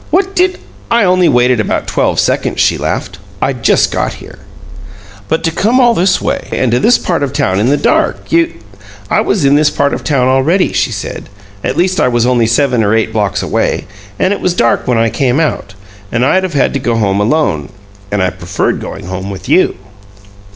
What did " "I only waited about twelve seconds," she laughed. "I'd just got here." "But to come all this way and to this part of town in the dark, you " "I was in this part of town already," she said. "At least, I was only seven or eight blocks away, and it was dark when I came out, and I'd have had to go home alone and I preferred going home with you."